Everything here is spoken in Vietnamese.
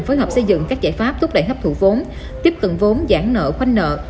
phối hợp xây dựng các giải pháp thúc đẩy hấp thụ vốn tiếp cận vốn giãn nợ khoanh nợ